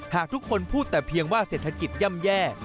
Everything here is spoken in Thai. หากทุกคนพูดแต่เพียงว่าเศรษฐกิจย่ำแย่